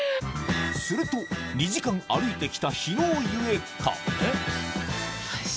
すると２時間歩いて来た疲労ゆえかよし。